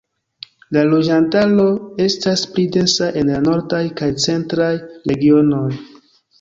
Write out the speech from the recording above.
La loĝantaro estas pli densa en la nordaj kaj centraj regionoj.